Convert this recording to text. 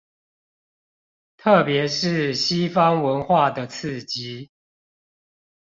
特別是西方文化的刺激